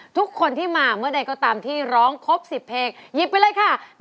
ทุกคนที่มาเมื่อใดก็ตามที่ร้องครบ๑๐เพลงหยิบไปเลยค่ะ